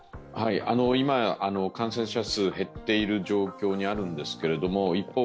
感染者数、減っている状況にあるんですけど一方